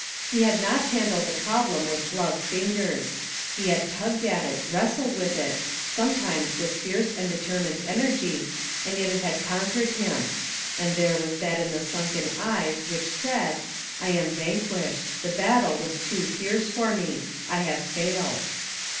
He had not hand led the problem with gloved fingers; he had tugged at it, wrestled with it, sometimes with fierce and determined energy, and yet it had con quered him ; and there was that in the sunken eyes which said, ''I am vanquished; the battle was too fierce for me. I have failed."